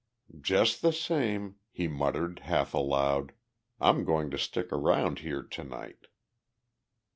"Just the same," he muttered, half aloud, "I'm going to stick around here to night."